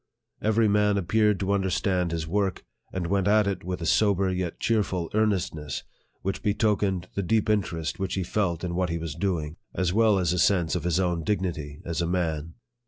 Every man ap peared to understand his work, and went at it with a sober, yet cheerful earnestness, which betokened the deep interest which he felt in what he was doing, a 8 114 NARRATIVE OF THE well as a sense of his own dignity as a man.